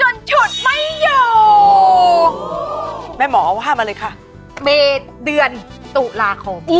งาวเป็นชุ่มชั่ว